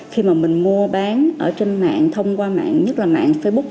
khi mà mình mua bán ở trên mạng thông qua mạng nhất là mạng facebook